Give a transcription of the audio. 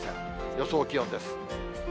予想気温です。